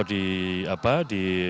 di apa di